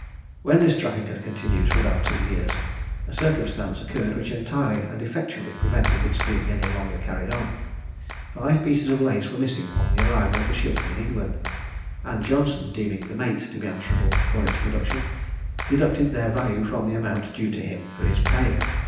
When this traffic had continued for about two years, a circumstance occurred which entirely and effectually prevented its being any longer carried on. Five pieces of lace were missing on the arrival of the ship in England, and Johnson, deeming the mate to be answerable for its production, deducted their value from the amount due to him for his pay.